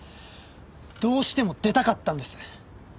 どうしても出たかったんです。